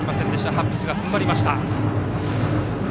ハッブスが踏ん張りました。